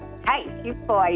はい。